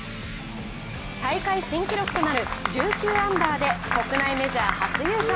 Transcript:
大会新記録となる１９アンダーで国内メジャー初優勝。